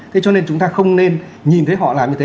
thế cho nên chúng ta không nên nhìn thấy họ làm như thế